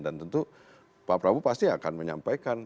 tentu pak prabowo pasti akan menyampaikan